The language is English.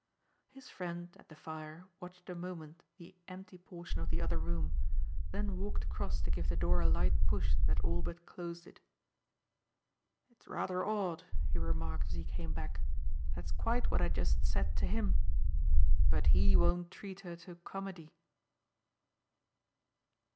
His friend, at the fire, watched a moment the empty portion of the other room, then walked across to give the door a light push that all but closed it. "It's rather odd," he remarked as he came back "that's quite what I just said to him. But he won't treat her to comedy."